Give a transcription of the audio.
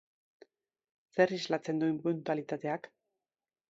Zer islatzen du inpuntualitateak?